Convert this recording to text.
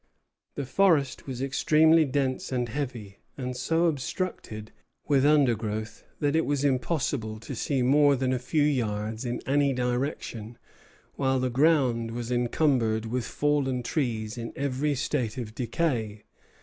The forest was extremely dense and heavy, and so obstructed with undergrowth that it was impossible to see more than a few yards in any direction, while the ground was encumbered with fallen trees in every stage of decay.